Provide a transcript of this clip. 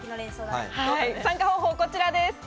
参加方法はこちらです。